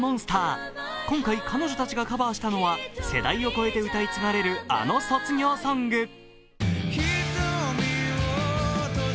今回、彼女たちがカバーしたのは世代を超えて歌い継がれるあの卒業ソング。